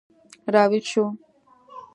راویښ شو